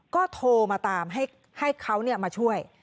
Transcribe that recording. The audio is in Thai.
ก็โทรมาตามให้เขามาช่วย